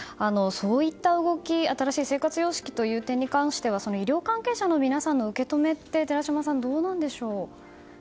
そういった動き、新しい生活様式という点について医療関係者の皆さんの受け止めってどうなんでしょう。